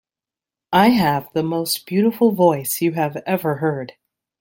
I have the most beautiful voice you have ever heard.